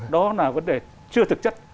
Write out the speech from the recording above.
đó là vấn đề chưa thực chất